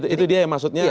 itu dia yang maksudnya